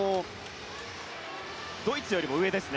ドイツより上ですね。